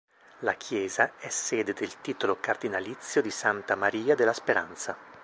La chiesa è sede del titolo cardinalizio di Santa Maria della Speranza.